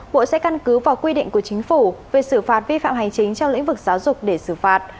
bộ sẽ căn cứ vào quy định của chính phủ về xử phạt vi phạm hành chính trong lĩnh vực giáo dục để xử phạt